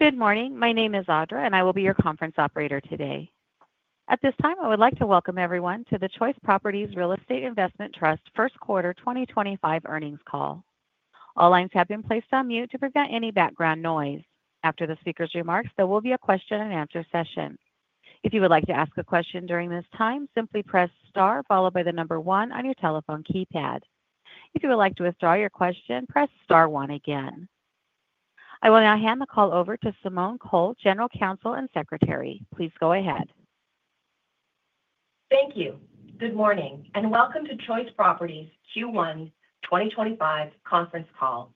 Good morning. My name is Audra, and I will be your conference operator today. At this time, I would like to welcome everyone to the Choice Properties Real Estate Investment Trust first quarter 2025 earnings call. All lines have been placed on mute to prevent any background noise. After the speaker's remarks, there will be a question-and-answer session. If you would like to ask a question during this time, simply press star followed by the number one on your telephone keypad. If you would like to withdraw your question, press star one again. I will now hand the call over to Simone Cole, General Counsel and Secretary. Please go ahead. Thank you. Good morning and welcome to Choice Properties Q1 2025 conference call.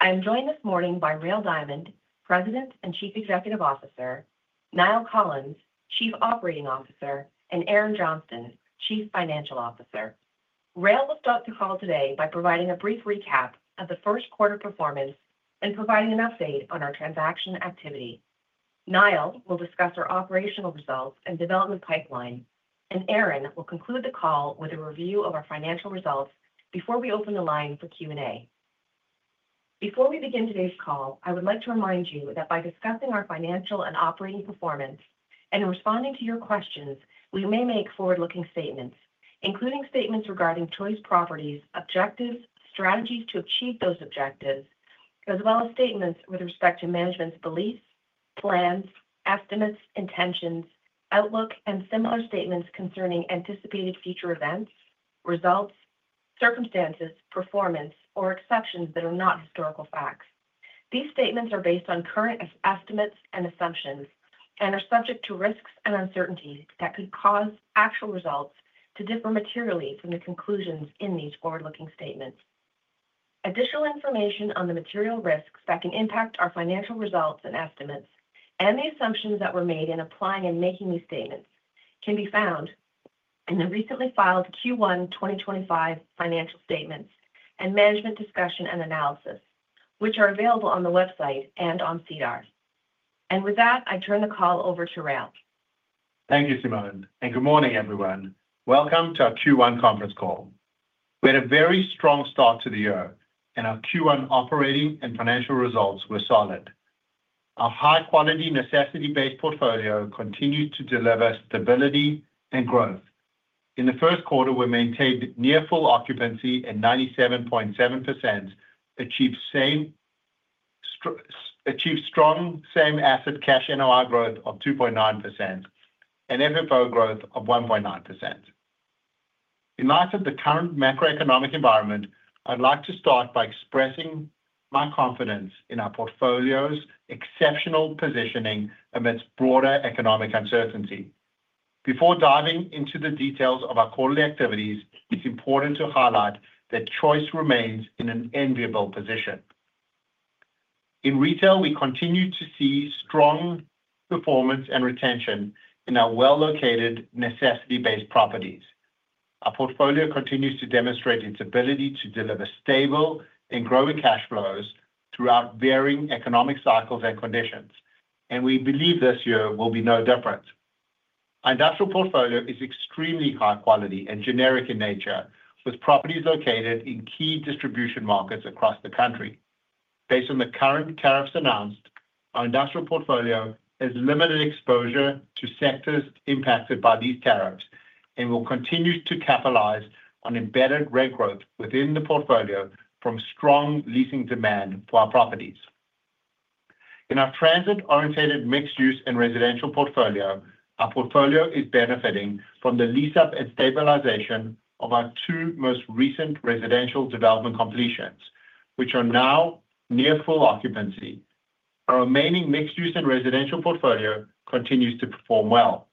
I am joined this morning by Rael Diamond, President and Chief Executive Officer; Niall Collins, Chief Operating Officer; and Erin Johnston, Chief Financial Officer. Rael will start the call today by providing a brief recap of the first quarter performance and providing an update on our transaction activity. Niall will discuss our operational results and development pipeline, and Erin will conclude the call with a review of our financial results before we open the line for Q&A. Before we begin today's call, I would like to remind you that by discussing our financial and operating performance and responding to your questions, we may make forward-looking statements, including statements regarding Choice Properties' objectives, strategies to achieve those objectives, as well as statements with respect to management's beliefs, plans, estimates, intentions, outlook, and similar statements concerning anticipated future events, results, circumstances, performance, or exceptions that are not historical facts. These statements are based on current estimates and assumptions and are subject to risks and uncertainties that could cause actual results to differ materially from the conclusions in these forward-looking statements. Additional information on the material risks that can impact our financial results and estimates and the assumptions that were made in applying and making these statements can be found in the recently filed Q1 2025 financial statements and management discussion and analysis, which are available on the website and on SEDAR. With that, I turn the call over to Rael. Thank you, Simone. Good morning, everyone. Welcome to our Q1 conference call. We had a very strong start to the year, and our Q1 operating and financial results were solid. Our high-quality, necessity-based portfolio continues to deliver stability and growth. In the first quarter, we maintained near full occupancy at 97.7%, achieved strong same-asset cash NOI growth of 2.9%, and FFO growth of 1.9%. In light of the current macroeconomic environment, I'd like to start by expressing my confidence in our portfolio's exceptional positioning amidst broader economic uncertainty. Before diving into the details of our quarterly activities, it's important to highlight that Choice remains in an enviable position. In retail, we continue to see strong performance and retention in our well-located, necessity-based properties. Our portfolio continues to demonstrate its ability to deliver stable and growing cash flows throughout varying economic cycles and conditions, and we believe this year will be no different. Our industrial portfolio is extremely high quality and generic in nature, with properties located in key distribution markets across the country. Based on the current tariffs announced, our industrial portfolio has limited exposure to sectors impacted by these tariffs and will continue to capitalize on embedded rent growth within the portfolio from strong leasing demand for our properties. In our transit-oriented mixed-use and residential portfolio, our portfolio is benefiting from the lease-up and stabilization of our two most recent residential development completions, which are now near full occupancy. Our remaining mixed-use and residential portfolio continues to perform well.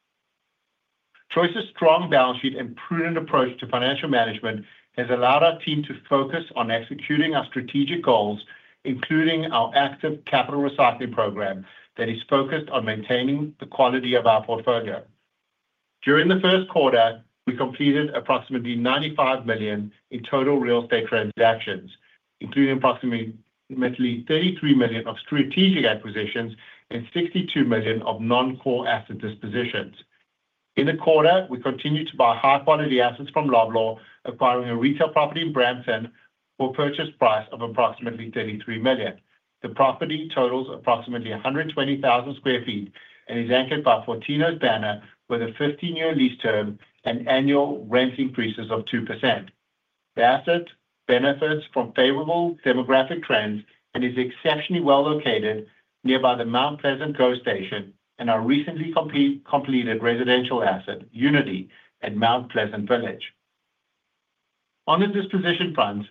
Choice's strong balance sheet and prudent approach to financial management has allowed our team to focus on executing our strategic goals, including our active capital recycling program that is focused on maintaining the quality of our portfolio. During the first quarter, we completed approximately 95 million in total real estate transactions, including approximately 33 million of strategic acquisitions and 62 million of non-core asset dispositions. In the quarter, we continued to buy high-quality assets from Loblaw, acquiring a retail property in Brampton for a purchase price of approximately 33 million. The property totals approximately 120,000 sq ft and is anchored by Fortinos banner with a 15-year lease term and annual rent increases of 2%. The asset benefits from favorable demographic trends and is exceptionally well located nearby the Mount Pleasant GO station and our recently completed residential asset, Unity at Mount Pleasant Village. On the disposition front,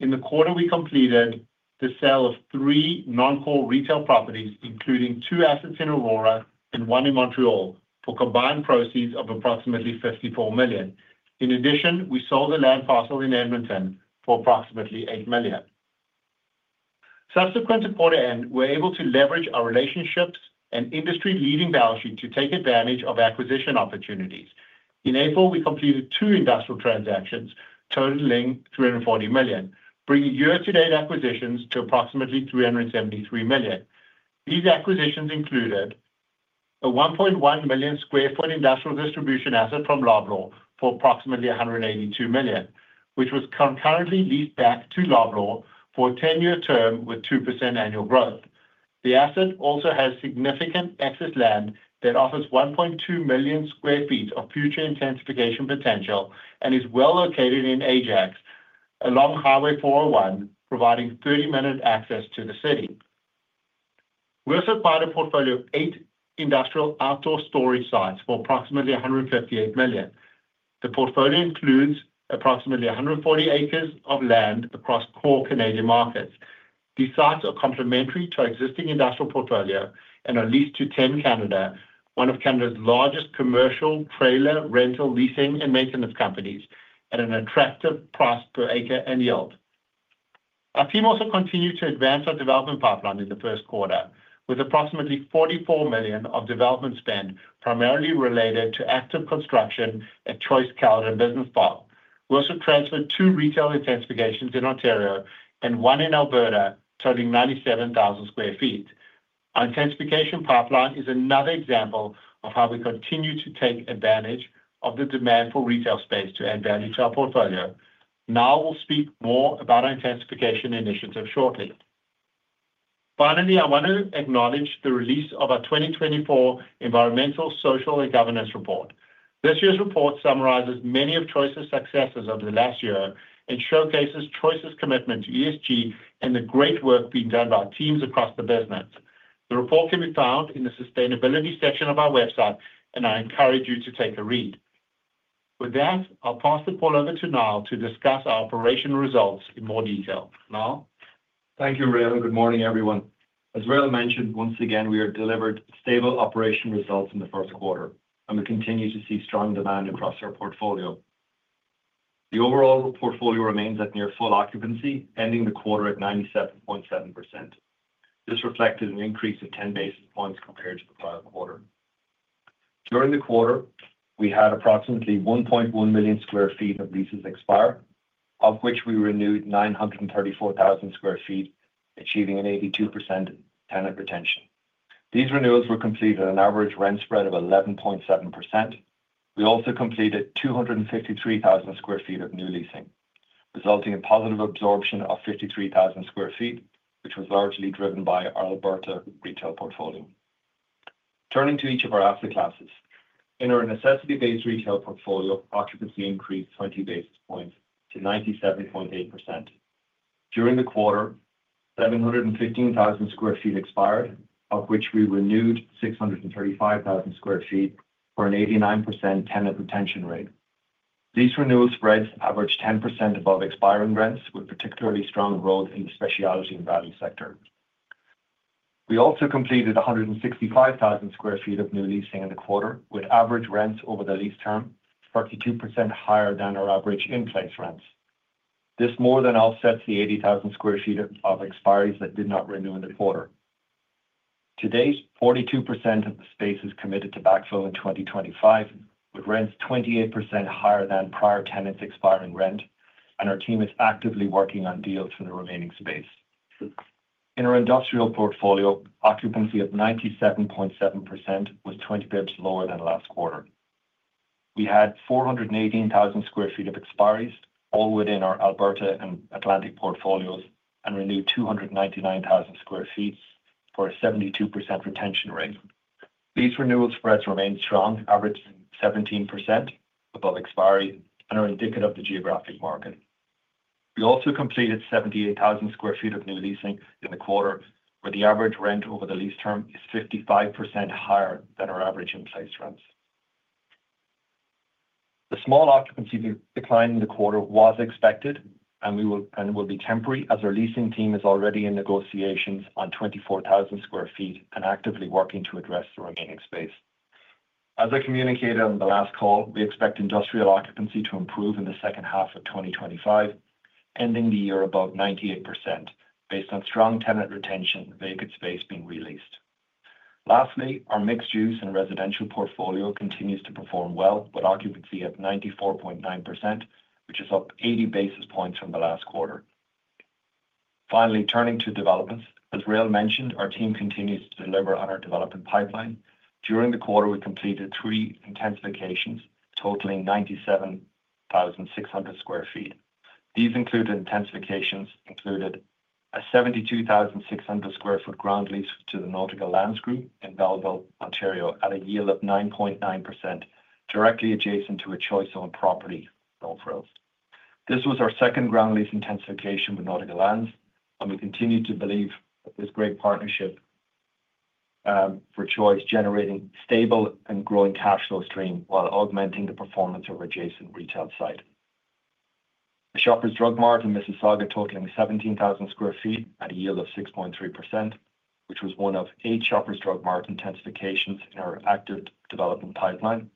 in the quarter, we completed the sale of three non-core retail properties, including two assets in Aurora and one in Montreal, for combined proceeds of approximately 54 million. In addition, we sold a land parcel in Edmonton for approximately 8 million. Subsequent to quarter end, we were able to leverage our relationships and industry-leading balance sheet to take advantage of acquisition opportunities. In April, we completed two industrial transactions totaling 340 million, bringing year-to-date acquisitions to approximately 373 million. These acquisitions included a 1.1 million sq ft industrial distribution asset from Loblaw for approximately 182 million, which was concurrently leased back to Loblaw for a 10-year term with 2% annual growth. The asset also has significant excess land that offers 1.2 million sq ft of future intensification potential and is well located in Ajax along Highway 401, providing 30-minute access to the city. We also acquired a portfolio of eight industrial outdoor storage sites for approximately 158 million. The portfolio includes approximately 140 acres of land across core Canadian markets. These sites are complementary to our existing industrial portfolio and are leased to TEN Canada, one of Canada's largest commercial trailer rental leasing and maintenance companies, at an attractive price per acre and yield. Our team also continued to advance our development pipeline in the first quarter, with approximately 44 million of development spend primarily related to active construction at Choice Caledon Business Park. We also transferred two retail intensifications in Ontario and one in Alberta totaling 97,000 sq ft. Our intensification pipeline is another example of how we continue to take advantage of the demand for retail space to add value to our portfolio. Niall will speak more about our intensification initiative shortly. Finally, I want to acknowledge the release of our 2024 Environmental, Social, and Governance Report. This year's report summarizes many of Choice's successes over the last year and showcases Choice's commitment to ESG and the great work being done by our teams across the business. The report can be found in the sustainability section of our website, and I encourage you to take a read. With that, I'll pass the call over to Niall to discuss our operational results in more detail. Niall? Thank you, Rael. Good morning, everyone. As Rael mentioned, once again, we have delivered stable operational results in the first quarter, and we continue to see strong demand across our portfolio. The overall portfolio remains at near full occupancy, ending the quarter at 97.7%. This reflected an increase of 10 basis points compared to the prior quarter. During the quarter, we had approximately 1.1 million sq ft of leases expire, of which we renewed 934,000 sq ft, achieving an 82% tenant retention. These renewals were completed at an average rent spread of 11.7%. We also completed 253,000 sq ft of new leasing, resulting in positive absorption of 53,000 sq ft, which was largely driven by our Alberta retail portfolio. Turning to each of our asset classes, in our necessity-based retail portfolio, occupancy increased 20 basis points to 97.8%. During the quarter, 715,000 sq ft expired, of which we renewed 635,000 sq ft for an 89% tenant retention rate. These renewal spreads averaged 10% above expiring rents, with particularly strong growth in the specialty and value sector. We also completed 165,000 sq ft of new leasing in the quarter, with average rents over the lease term 32% higher than our average in-place rents. This more than offsets the 80,000 sq ft of expiries that did not renew in the quarter. To date, 42% of the space is committed to backfill in 2025, with rents 28% higher than prior tenants' expiring rent, and our team is actively working on deals for the remaining space. In our industrial portfolio, occupancy of 97.7% was 20 basis points lower than last quarter. We had 418,000 sq ft of expiries, all within our Alberta and Atlantic portfolios, and renewed 299,000 sq ft for a 72% retention rate. These renewal spreads remained strong, averaging 17% above expiry, and are indicative of the geographic market. We also completed 78,000 sq ft of new leasing in the quarter, where the average rent over the lease term is 55% higher than our average in-place rents. The small occupancy decline in the quarter was expected and will be temporary, as our leasing team is already in negotiations on 24,000 sq ft and actively working to address the remaining space. As I communicated on the last call, we expect industrial occupancy to improve in the second half of 2025, ending the year above 98%, based on strong tenant retention and vacant space being released. Lastly, our mixed-use and residential portfolio continues to perform well with occupancy at 94.9%, which is up 80 basis points from the last quarter. Finally, turning to developments, as Rael mentioned, our team continues to deliver on our development pipeline. During the quarter, we completed three intensifications, totaling 97,600 sq ft. These intensifications included a 72,600 sq ft ground lease to the Nautica Lands Group in Belleville, Ontario, at a yield of 9.9%, directly adjacent to a Choice-owned property in No Frills. This was our second ground lease intensification with Nautica Lands, and we continue to believe that this great partnership for Choice is generating a stable and growing cash flow stream while augmenting the performance of our adjacent retail site. The Shoppers Drug Mart in Mississauga, totaling 17,000 sq ft at a yield of 6.3%, which was one of eight Shoppers Drug Mart intensifications in our active development pipeline.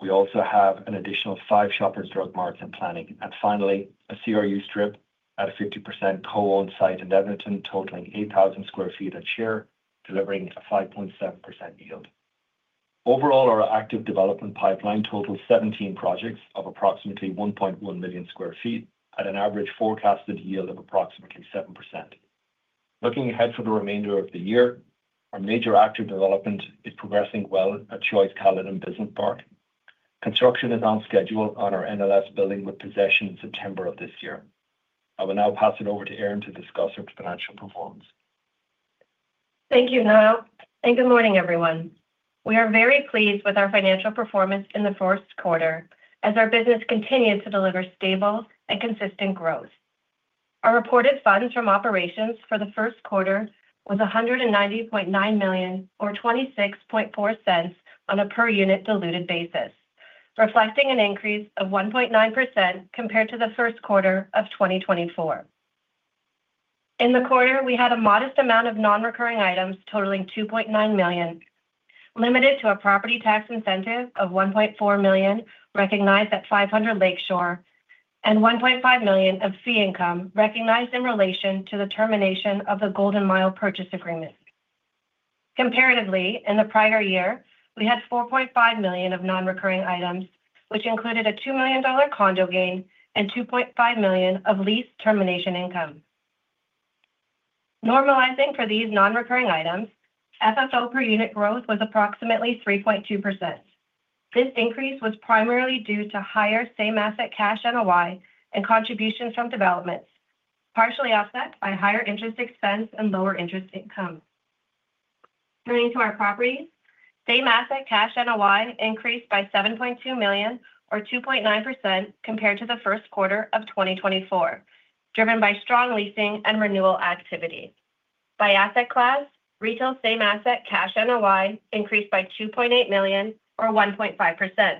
We also have an additional five Shoppers Drug Marts in planning. Finally, a CRU strip at a 50% co-owned site in Edmonton, totaling 8,000 sq ft and share, delivering a 5.7% yield. Overall, our active development pipeline totals 17 projects of approximately 1.1 million sq ft at an average forecasted yield of approximately 7%. Looking ahead for the remainder of the year, our major active development is progressing well at Choice Caledon Business Park. Construction is on schedule on our NLS building with possession in September of this year. I will now pass it over to Erin to discuss our financial performance. Thank you, Niall. Good morning, everyone. We are very pleased with our financial performance in the first quarter, as our business continues to deliver stable and consistent growth. Our reported funds from operations for the first quarter was 190.9 million, or 0.264 on a per-unit diluted basis, reflecting an increase of 1.9% compared to the first quarter of 2024. In the quarter, we had a modest amount of non-recurring items totaling 2.9 million, limited to a property tax incentive of 1.4 million recognized at 500 Lakeshore, and 1.5 million of fee income recognized in relation to the termination of the Golden Mile Purchase Agreement. Comparatively, in the prior year, we had 4.5 million of non-recurring items, which included a 2 million dollar condo gain and 2.5 million of lease termination income. Normalizing for these non-recurring items, FFO per unit growth was approximately 3.2%. This increase was primarily due to higher same-asset cash NOI and contributions from developments, partially offset by higher interest expense and lower interest income. Turning to our properties, same-asset cash NOI increased by 7.2 million, or 2.9%, compared to the first quarter of 2024, driven by strong leasing and renewal activity. By asset class, retail same-asset cash NOI increased by 2.8 million, or 1.5%.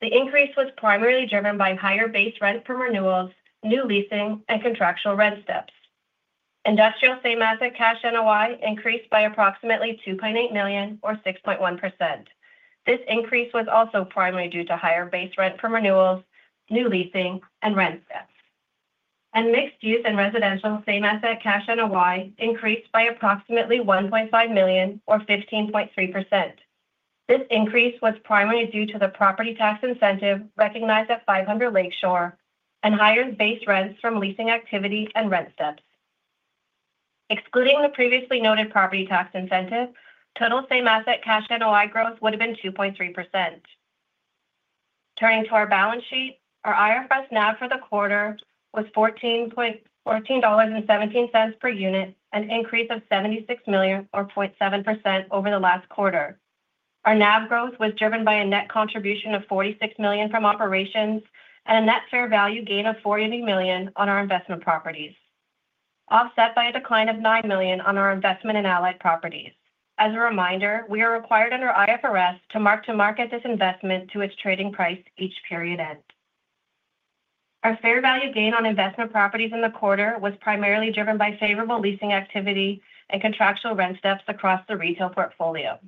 The increase was primarily driven by higher base rent per renewals, new leasing, and contractual rent steps. Industrial same-asset cash NOI increased by approximately 2.8 million, or 6.1%. This increase was also primarily due to higher base rent per renewals, new leasing, and rent steps. Mixed-use and residential same-asset cash NOI increased by approximately 1.5 million, or 15.3%. This increase was primarily due to the property tax incentive recognized at 500 Lakeshore and higher base rents from leasing activity and rent steps. Excluding the previously noted property tax incentive, total same-asset cash NOI growth would have been 2.3%. Turning to our balance sheet, our IFRS NAV for the quarter was 14.17 dollars per unit, an increase of 76 million, or 0.7%, over the last quarter. Our NAV growth was driven by a net contribution of 46 million from operations and a net fair value gain of 48 million on our investment properties, offset by a decline of 9 million on our investment in Allied Properties. As a reminder, we are required under IFRS to mark-to-market this investment to its trading price each period end. Our fair value gain on investment properties in the quarter was primarily driven by favorable leasing activity and contractual rent steps across the retail portfolio.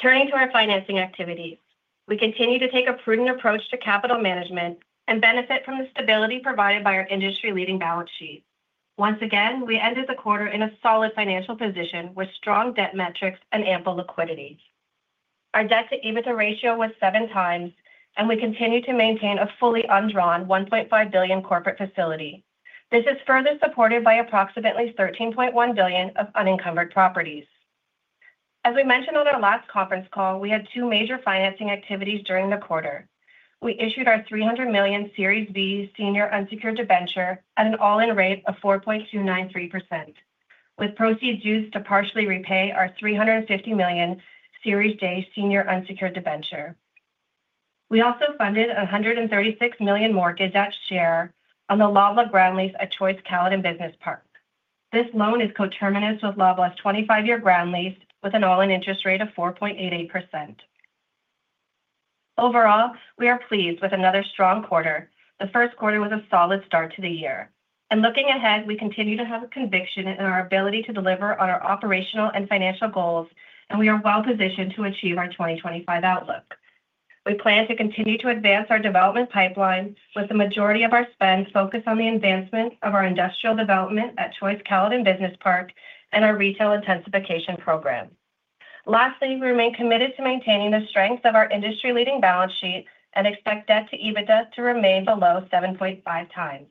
Turning to our financing activities, we continue to take a prudent approach to capital management and benefit from the stability provided by our industry-leading balance sheet. Once again, we ended the quarter in a solid financial position with strong debt metrics and ample liquidity. Our debt-to-EBITDA ratio was 7 times, and we continue to maintain a fully undrawn 1.5 billion corporate facility. This is further supported by approximately 13.1 billion of unencumbered properties. As we mentioned on our last conference call, we had two major financing activities during the quarter. We issued our 300 million Series B Senior Unsecured Debenture at an all-in rate of 4.293%, with proceeds used to partially repay our 350 million Series J Senior Unsecured Debenture. We also funded a 136 million mortgage at share on the Loblaw Ground Lease at Choice Caledon Business Park. This loan is co-terminus with Loblaw's 25-year ground lease, with an all-in interest rate of 4.88%. Overall, we are pleased with another strong quarter. The first quarter was a solid start to the year. Looking ahead, we continue to have a conviction in our ability to deliver on our operational and financial goals, and we are well-positioned to achieve our 2025 outlook. We plan to continue to advance our development pipeline, with the majority of our spend focused on the advancement of our industrial development at Choice Caledon Business Park and our retail intensification program. Lastly, we remain committed to maintaining the strength of our industry-leading balance sheet and expect debt-to-EBITDA to remain below 7.5 times.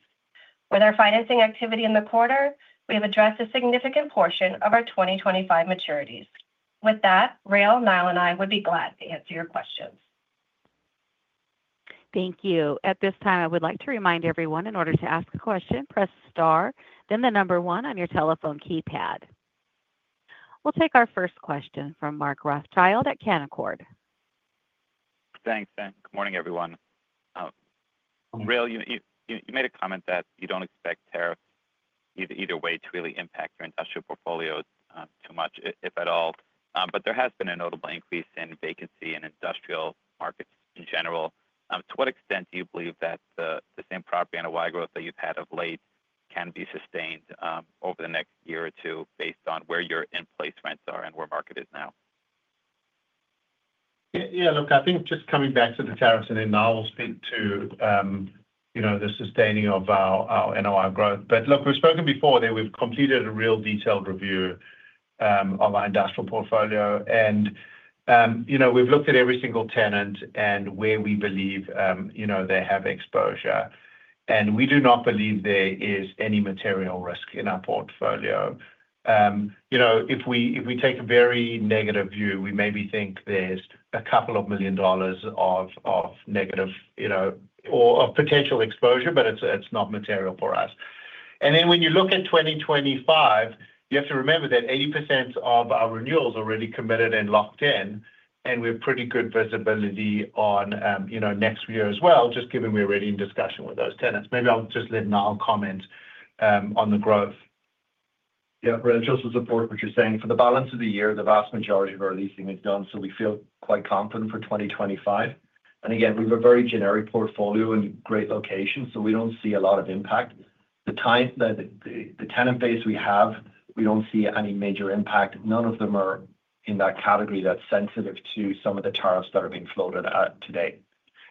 With our financing activity in the quarter, we have addressed a significant portion of our 2025 maturities. With that, Rael, Niall, and I would be glad to answer your questions. Thank you. At this time, I would like to remind everyone, in order to ask a question, press star, then the number one on your telephone keypad. We'll take our first question from Mark Rothschild at Canaccord. Thanks, Ben. Good morning, everyone. Rael, you made a comment that you don't expect tariffs either way to really impact your industrial portfolios too much, if at all. There has been a notable increase in vacancy in industrial markets in general. To what extent do you believe that the same property NOI growth that you've had of late can be sustained over the next year or two, based on where your in-place rents are and where market is now? Yeah, look, I think just coming back to the tariffs and then Niall's point to the sustaining of our NOI growth. Look, we've spoken before that we've completed a real detailed review of our industrial portfolio. We've looked at every single tenant and where we believe they have exposure. We do not believe there is any material risk in our portfolio. If we take a very negative view, we maybe think there's a couple of million dollars of negative or potential exposure, but it's not material for us. When you look at 2025, you have to remember that 80% of our renewals are already committed and locked in, and we have pretty good visibility on next year as well, just given we're already in discussion with those tenants. Maybe I'll just let Niall comment on the growth. Yeah, Rael, just to support what you're saying. For the balance of the year, the vast majority of our leasing is done, so we feel quite confident for 2025. Again, we have a very generic portfolio and great location, so we don't see a lot of impact. The tenant base we have, we don't see any major impact. None of them are in that category that's sensitive to some of the tariffs that are being floated at today.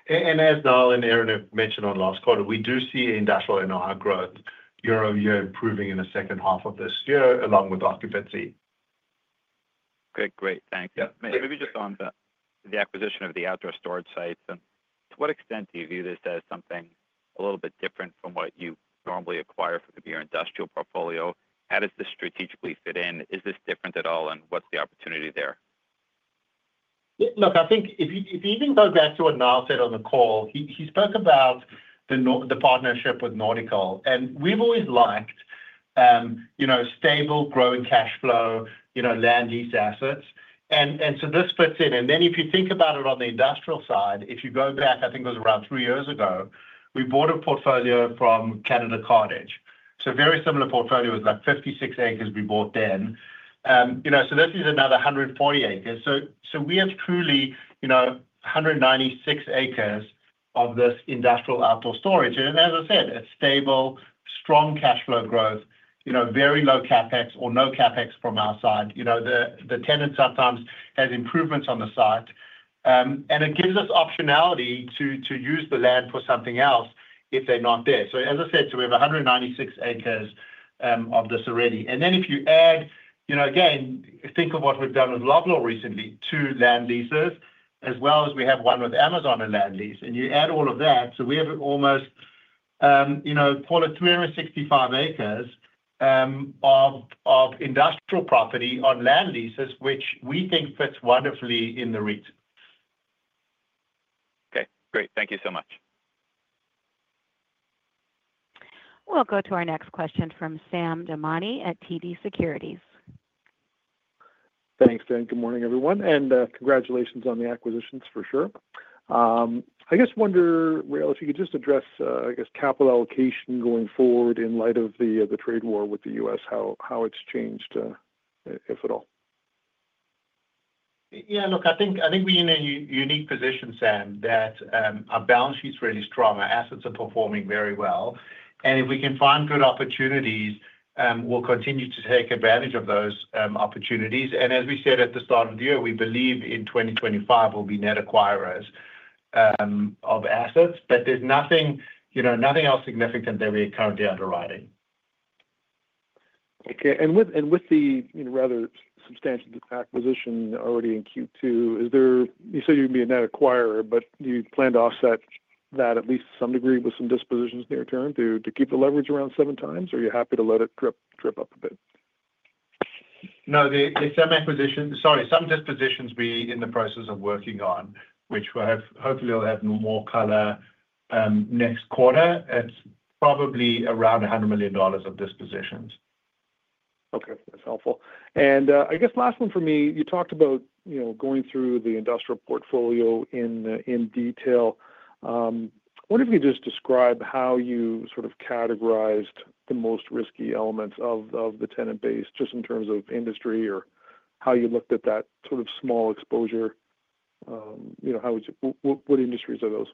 As Niall and Erin have mentioned on last quarter, we do see industrial NOI growth year over year improving in the second half of this year, along with occupancy. Okay, great. Thanks. Maybe just on the acquisition of the outdoor storage site. To what extent do you view this as something a little bit different from what you normally acquire for your industrial portfolio? How does this strategically fit in? Is this different at all, and what's the opportunity there? Look, I think if you even go back to what Niall said on the call, he spoke about the partnership with Nautica. We have always liked stable, growing cash flow, land-use assets. This fits in. If you think about it on the industrial side, if you go back, I think it was around three years ago, we bought a portfolio from Canada Cartage. A very similar portfolio was like 56 acres we bought then. This is another 140 acres. We have truly 196 acres of this industrial outdoor storage. As I said, it is stable, strong cash flow growth, very low CapEx or no CapEx from our side. The tenant sometimes has improvements on the site. It gives us optionality to use the land for something else if they are not there. As I said, we have 196 acres of this already. If you add, again, think of what we've done with Loblaw recently, two land leases, as well as we have one with Amazon and land lease. If you add all of that, we have almost, call it 365 acres of industrial property on land leases, which we think fits wonderfully in the REIT. Okay, great. Thank you so much. We'll go to our next question from Sam Damani at TD Securities. Thanks, Ben. Good morning, everyone. Congratulations on the acquisitions, for sure. I guess, wonder, Rael, if you could just address, I guess, capital allocation going forward in light of the trade war with the U.S., how it's changed, if at all. Yeah, look, I think we're in a unique position, Sam, that our balance sheet's really strong. Our assets are performing very well. If we can find good opportunities, we'll continue to take advantage of those opportunities. As we said at the start of the year, we believe in 2025 we'll be net acquirers of assets. There's nothing else significant that we're currently underwriting. Okay. With the rather substantial acquisition already in Q2, you said you'd be a net acquirer, but do you plan to offset that at least to some degree with some dispositions near term to keep the leverage around seven times? Or are you happy to let it drip up a bit? No, some dispositions we're in the process of working on, which hopefully will have more color next quarter. It's probably around 100 million dollars of dispositions. Okay, that's helpful. I guess last one for me, you talked about going through the industrial portfolio in detail. I wonder if you could just describe how you sort of categorized the most risky elements of the tenant base, just in terms of industry, or how you looked at that sort of small exposure. What industries are those?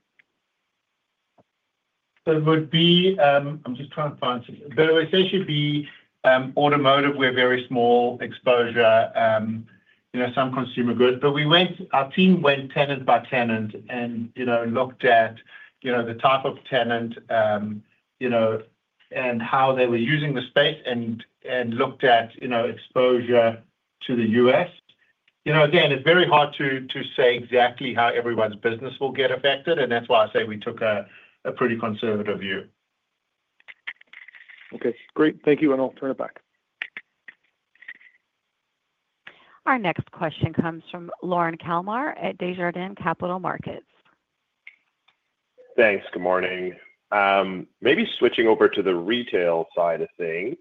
I'm just trying to find something, but I would say it should be automotive. We have very small exposure, some consumer goods. Our team went tenant by tenant and looked at the type of tenant and how they were using the space and looked at exposure to the U.S. Again, it is very hard to say exactly how everyone's business will get affected. That is why I say we took a pretty conservative view. Okay, great. Thank you. I'll turn it back. Our next question comes from Lorne Kalmar at Desjardins Capital Markets. Thanks. Good morning. Maybe switching over to the retail side of things.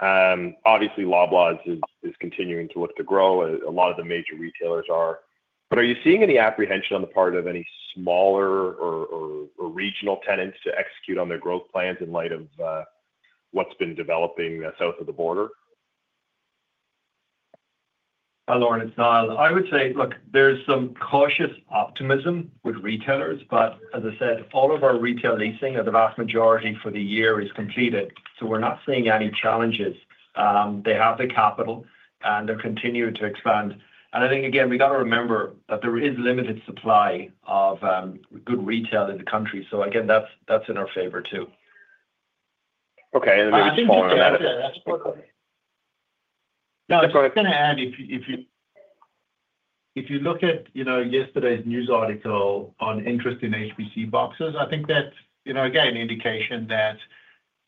Obviously, Loblaw is continuing to look to grow. A lot of the major retailers are. Are you seeing any apprehension on the part of any smaller or regional tenants to execute on their growth plans in light of what's been developing south of the border? Hi, Lauren. It's Niall. I would say, look, there's some cautious optimism with retailers. As I said, all of our retail leasing, the vast majority for the year, is completed. We're not seeing any challenges. They have the capital, and they're continuing to expand. I think, again, we've got to remember that there is limited supply of good retail in the country. That is in our favor too. Okay. Maybe just following that. No, I was going to add, if you look at yesterday's news article on interest in HBC boxes, I think that's, again, an indication that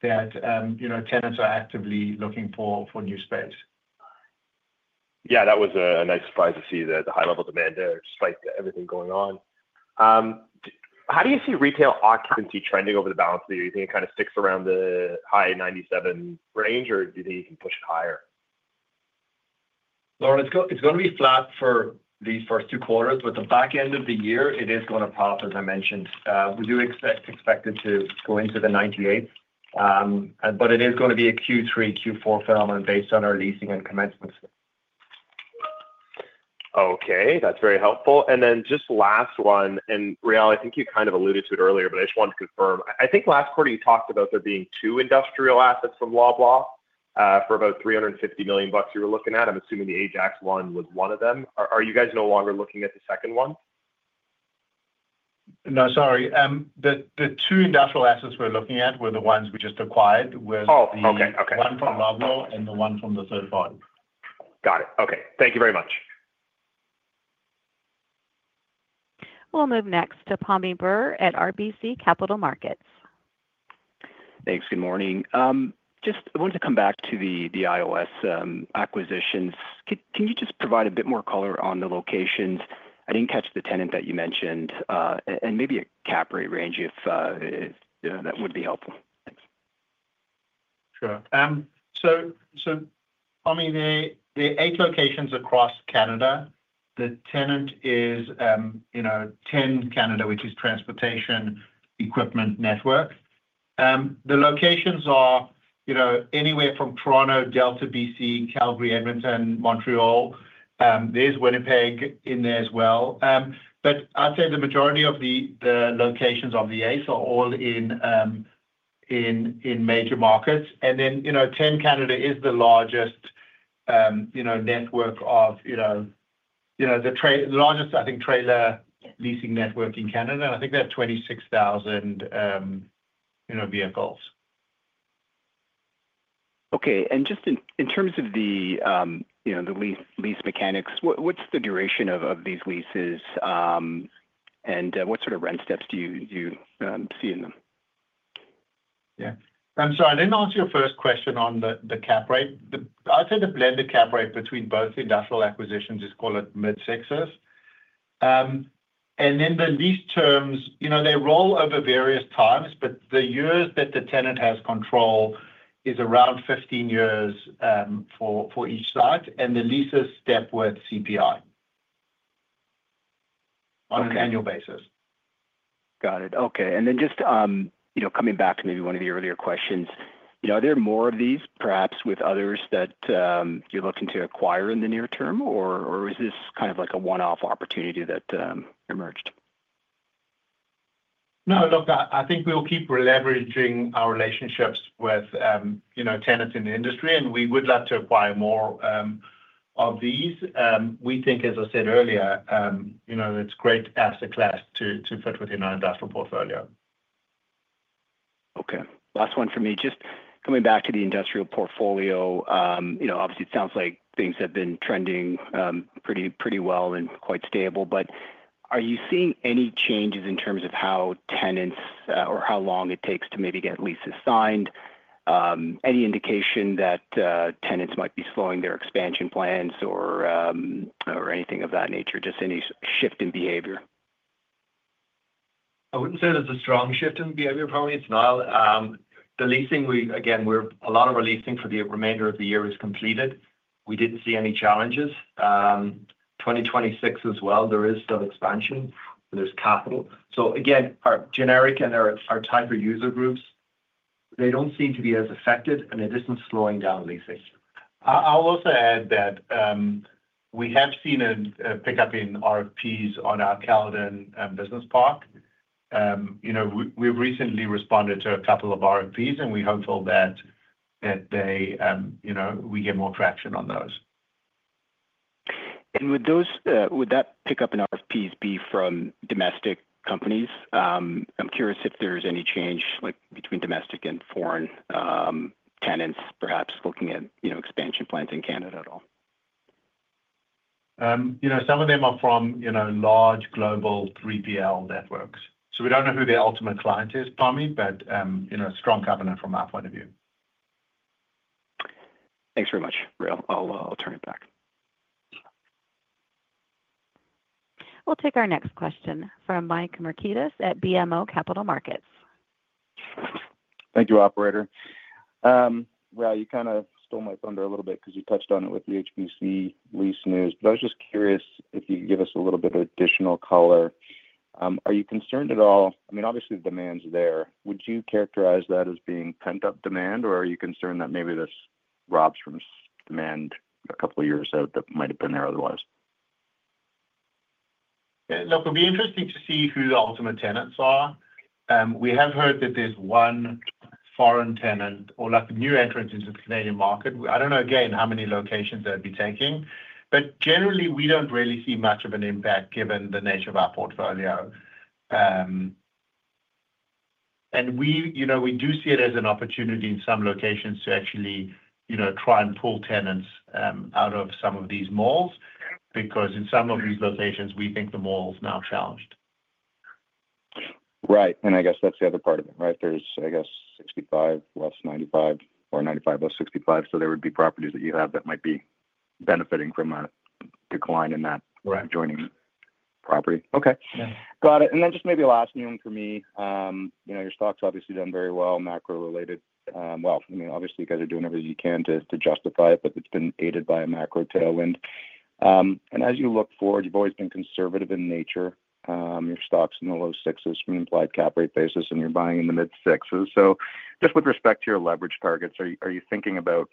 tenants are actively looking for new space. Yeah, that was a nice surprise to see the high-level demand there, despite everything going on. How do you see retail occupancy trending over the balance of the year? Do you think it kind of sticks around the high 97% range, or do you think you can push it higher? Lauren, it's going to be flat for these first two quarters. The back end of the year, it is going to pop, as I mentioned. We do expect it to go into the 98%. It is going to be a Q3, Q4 phenomenon based on our leasing and commitments. Okay. That's very helpful. Just last one. Rael, I think you kind of alluded to it earlier, but I just wanted to confirm. I think last quarter you talked about there being two industrial assets from Loblaw for about 350 million bucks you were looking at. I'm assuming the Ajax one was one of them. Are you guys no longer looking at the second one? No, sorry. The two industrial assets we're looking at were the ones we just acquired, was the one from Loblaw and the one from the third party. Got it. Okay. Thank you very much. We'll move next to Pammi Bir at RBC Capital Markets. Thanks. Good morning. Just wanted to come back to the IOS acquisitions. Can you just provide a bit more color on the locations? I didn't catch the tenant that you mentioned. And maybe a cap rate range, if that would be helpful. Thanks. Sure. Pammi, there are eight locations across Canada. The tenant is TEN Canada, which is Transportation Equipment Network. The locations are anywhere from Toronto, Delta, British Columbia, Calgary, Edmonton, Montreal. There is Winnipeg in there as well. I would say the majority of the locations of the eight are all in major markets. TEN Canada is the largest network of the largest, I think, trailer leasing network in Canada. I think they have 26,000 vehicles. Okay. Just in terms of the lease mechanics, what's the duration of these leases? What sort of rent steps do you see in them? Yeah. I'm sorry. Let me answer your first question on the cap rate. I'd say the blended cap rate between both industrial acquisitions is called a mid-sixes. The lease terms, they roll over various times. The years that the tenant has control is around 15 years for each site. The leases step with CPI on an annual basis. Got it. Okay. Just coming back to maybe one of the earlier questions, are there more of these, perhaps with others that you're looking to acquire in the near term? Or is this kind of like a one-off opportunity that emerged? No, look, I think we'll keep leveraging our relationships with tenants in the industry. We would love to acquire more of these. We think, as I said earlier, it's a great asset class to fit within our industrial portfolio. Okay. Last one for me. Just coming back to the industrial portfolio, obviously, it sounds like things have been trending pretty well and quite stable. Are you seeing any changes in terms of how tenants or how long it takes to maybe get leases signed? Any indication that tenants might be slowing their expansion plans or anything of that nature? Just any shift in behavior? I wouldn't say there's a strong shift in behavior, probably. It's Niall. The leasing, again, a lot of our leasing for the remainder of the year is completed. We didn't see any challenges. 2026 as well, there is some expansion. There's capital. Again, our generic and our type of user groups, they don't seem to be as affected, and it isn't slowing down leasing. I'll also add that we have seen a pickup in RFPs on our Caledon business park. We've recently responded to a couple of RFPs, and we're hopeful that we get more traction on those. Would that pickup in RFPs be from domestic companies? I'm curious if there's any change between domestic and foreign tenants, perhaps looking at expansion plans in Canada at all. Some of them are from large global 3PL networks. We do not know who their ultimate client is, Pommy, but a strong company from our point of view. Thanks very much, Rael. I'll turn it back. We'll take our next question from Mike Al-Musa at BMO Capital Markets. Thank you, operator. Rael, you kind of stole my thunder a little bit because you touched on it with the HPC lease news. I was just curious if you could give us a little bit of additional color. Are you concerned at all? I mean, obviously, the demand's there. Would you characterize that as being pent-up demand? Are you concerned that maybe this robs from demand a couple of years ago that might have been there otherwise? Look, it would be interesting to see who the ultimate tenants are. We have heard that there's one foreign tenant or new entrants into the Canadian market. I don't know, again, how many locations they'd be taking. Generally, we don't really see much of an impact given the nature of our portfolio. We do see it as an opportunity in some locations to actually try and pull tenants out of some of these malls because in some of these locations, we think the mall is now challenged. Right. I guess that's the other part of it, right? There's, I guess, 65 less 95 or 95 less 65. There would be properties that you have that might be benefiting from a decline in that joining property. Okay. Got it. Maybe last new one for me. Your stock's obviously done very well, macro-related. I mean, obviously, you guys are doing everything you can to justify it, but it's been aided by a macro tailwind. As you look forward, you've always been conservative in nature. Your stock's in the low sixes. We implied cap rate basis, and you're buying in the mid-sixes. Just with respect to your leverage targets, are you thinking about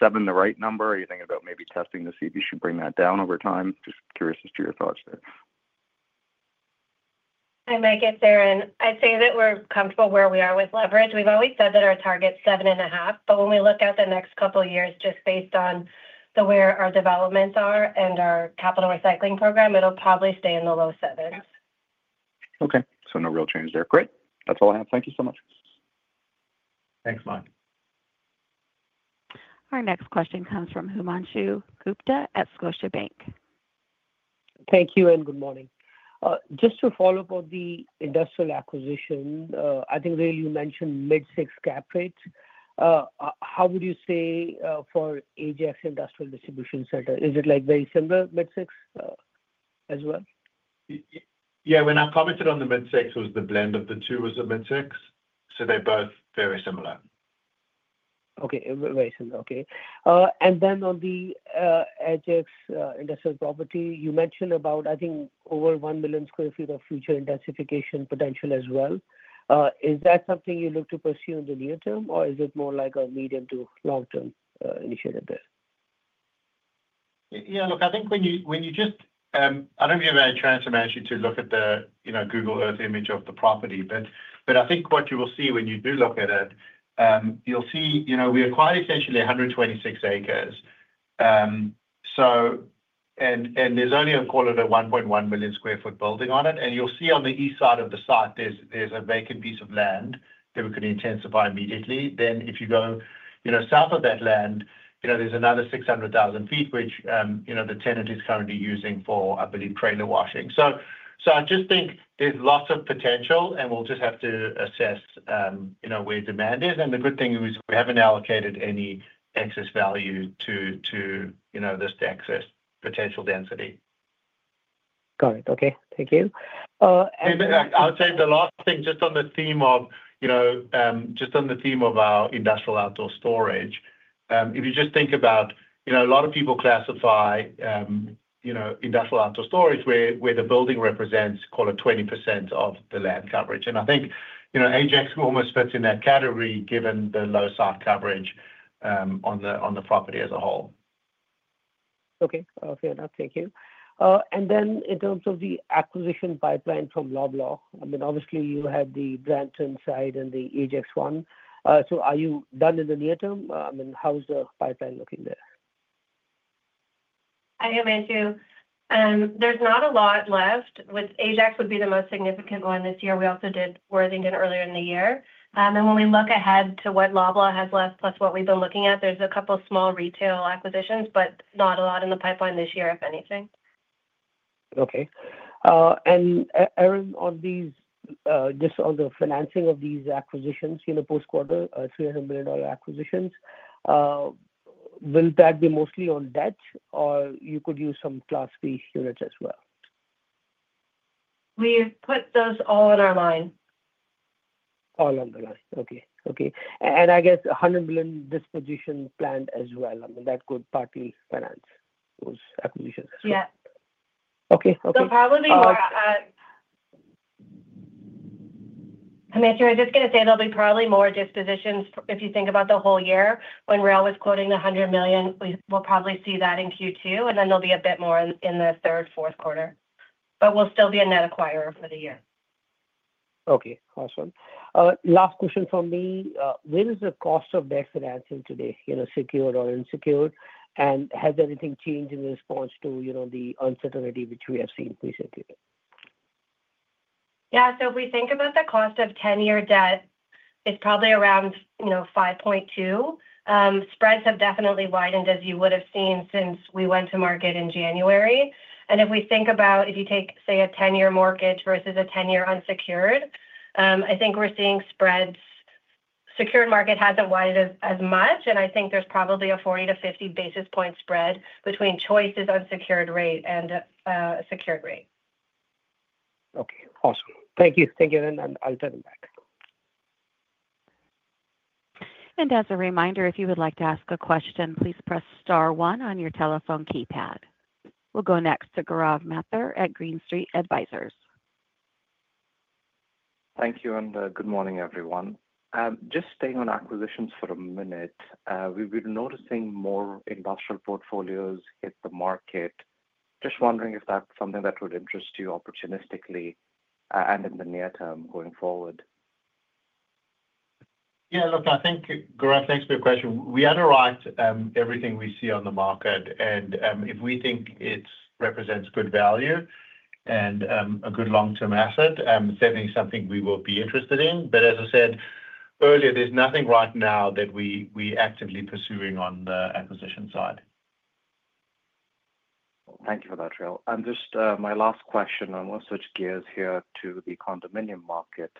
seven the right number? Are you thinking about maybe testing to see if you should bring that down over time? Just curious as to your thoughts there. I might get there. I'd say that we're comfortable where we are with leverage. We've always said that our target's seven and a half. When we look at the next couple of years, just based on where our developments are and our capital recycling program, it'll probably stay in the low sevens. Okay. No real change there. Great. That's all I have. Thank you so much. Thanks, Mike. Our next question comes from Himanshu Gupta at Scotiabank. Thank you and good morning. Just to follow up on the industrial acquisition, I think, Rael, you mentioned mid-six cap rates. How would you say for Ajax Industrial Distribution Center? Is it very similar, mid-six as well? Yeah. When I commented on the mid-six, it was the blend of the two was the mid-six. They are both very similar. Okay. Very similar. Okay. On the Ajax industrial property, you mentioned about, I think, over 1 million sq ft of future intensification potential as well. Is that something you look to pursue in the near term, or is it more like a medium to long-term initiative there? Yeah. Look, I think when you just—I don't know if you've had a chance to mention to look at the Google Earth image of the property. I think what you will see when you do look at it, you'll see we acquired essentially 126 acres. There's only a quarter of a 1.1 million sq ft building on it. You'll see on the east side of the site, there's a vacant piece of land that we could intensify immediately. If you go south of that land, there's another 600,000 sq ft, which the tenant is currently using for, I believe, trailer washing. I just think there's lots of potential, and we'll just have to assess where demand is. The good thing is we haven't allocated any excess value to this excess potential density. Got it. Okay. Thank you. I would say the last thing, just on the theme of, just on the theme of our industrial outdoor storage, if you just think about a lot of people classify industrial outdoor storage where the building represents, call it, 20% of the land coverage. I think Ajax almost fits in that category given the low site coverage on the property as a whole. Okay. Fair enough. Thank you. In terms of the acquisition pipeline from Loblaw, I mean, obviously, you had the Brampton site and the Ajax one. Are you done in the near term? I mean, how's the pipeline looking there? I am, Andrew. There's not a lot left. Ajax would be the most significant one this year. We also did Worthington earlier in the year. When we look ahead to what Loblaw has left plus what we've been looking at, there's a couple of small retail acquisitions, but not a lot in the pipeline this year, if anything. Okay. Erin, just on the financing of these acquisitions, post-quarter, 300 million dollar acquisitions, will that be mostly on debt, or you could use some class B units as well? We put those all on our line. All on the line. Okay. Okay. I guess 100 million disposition planned as well. I mean, that could partly finance those acquisitions as well. Yep. Okay. Okay. Probably more—I am not sure. I was just going to say there will be probably more dispositions if you think about the whole year. When Rael was quoting the 100 million, we will probably see that in Q2. There will be a bit more in the third, fourth quarter. We will still be a net acquirer for the year. Okay. Awesome. Last question from me. Where is the cost of debt financing today, secured or unsecured? Has anything changed in response to the uncertainty which we have seen recently? Yeah. If we think about the cost of 10-year debt, it's probably around 5.2%. Spreads have definitely widened, as you would have seen since we went to market in January. If you take, say, a 10-year mortgage versus a 10-year unsecured, I think we're seeing spreads. The secured market hasn't widened as much. I think there's probably a 40-50 basis point spread between Choice's unsecured rate and secured rate. Okay. Awesome. Thank you. Thank you, Erin. I'll turn it back. As a reminder, if you would like to ask a question, please press star one on your telephone keypad. We'll go next to Gaurav Mathur at Green Street Advisors. Thank you. Good morning, everyone. Just staying on acquisitions for a minute, we've been noticing more industrial portfolios hit the market. Just wondering if that's something that would interest you opportunistically and in the near term going forward. Yeah. Look, I think Gaurav, thanks for your question. We analyze everything we see on the market. If we think it represents good value and a good long-term asset, certainly something we will be interested in. As I said earlier, there's nothing right now that we're actively pursuing on the acquisition side. Thank you for that, Rael. My last question. I want to switch gears here to the condominium market.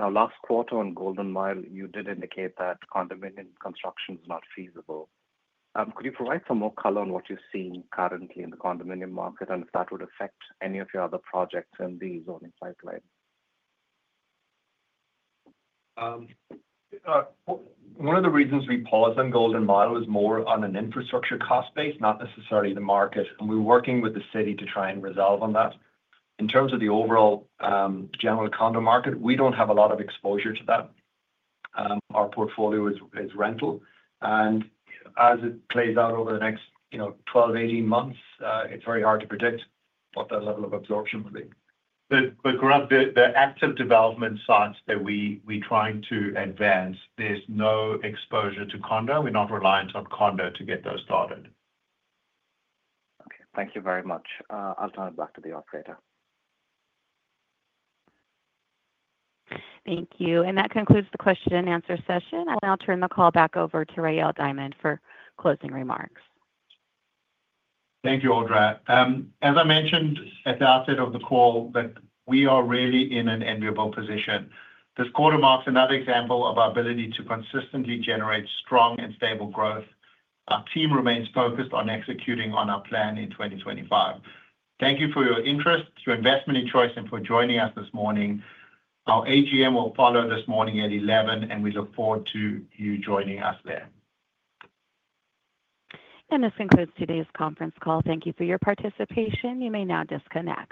Now, last quarter on Golden Mile, you did indicate that condominium construction is not feasible. Could you provide some more color on what you're seeing currently in the condominium market and if that would affect any of your other projects in the zoning pipeline? One of the reasons we pause on Golden Mile is more on an infrastructure cost base, not necessarily the market. We are working with the city to try and resolve on that. In terms of the overall general condo market, we do not have a lot of exposure to that. Our portfolio is rental. As it plays out over the next 12-18 months, it is very hard to predict what the level of absorption will be. The active development sites that we are trying to advance, there is no exposure to condo. We are not reliant on condo to get those started. Okay. Thank you very much. I'll turn it back to the operator. Thank you. That concludes the question-and-answer session. I will turn the call back over to Rael Diamond for closing remarks. Thank you, Audra. As I mentioned at the outset of the call, we are really in an enviable position. This quarter marks another example of our ability to consistently generate strong and stable growth. Our team remains focused on executing on our plan in 2025. Thank you for your interest, your investment in Choice, and for joining us this morning. Our AGM will follow this morning at 11:00 A.M., and we look forward to you joining us there. This concludes today's conference call. Thank you for your participation. You may now disconnect.